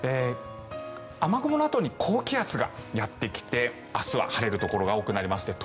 雨雲のあとに高気圧がやってきて明日は晴れるところが多くなります。